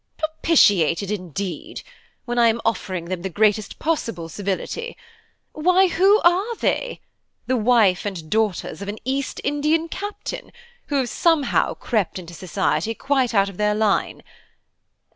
"Propitiated, indeed! when I am offering them the greatest possible civility. Why, who are they? the wife and daughters of an East Indian Captain, who have somehow crept into society quite out of their line.